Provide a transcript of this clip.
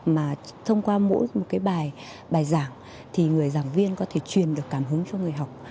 mà thông qua mỗi một cái bài bài giảng thì người giảng viên có thể truyền được cảm hứng cho người học